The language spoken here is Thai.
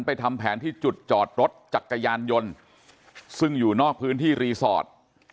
ทำแผนที่จุดจอดรถจักรยานยนต์ซึ่งอยู่นอกพื้นที่รีสอร์ท